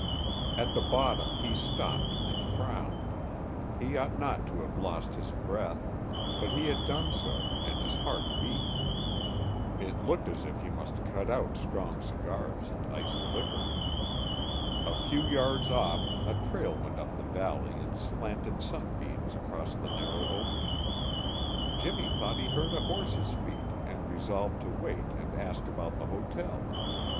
At the bottom he stopped and frowned. He ought not to have lost his breath, but he had done so and his heart beat. It looked as if he must cut out strong cigars and iced liquor. A few yards off a trail went up the valley and slanted sunbeams crossed the narrow opening. Jimmy thought he heard a horse's feet and resolved to wait and ask about the hotel.